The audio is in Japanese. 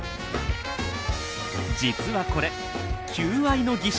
実はこれ求愛の儀式。